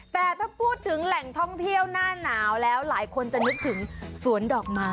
แต่ถ้าพูดถึงแหล่งท่องเที่ยวหน้าหนาวแล้วหลายคนจะนึกถึงสวนดอกไม้